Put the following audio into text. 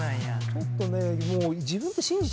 ちょっとねもう。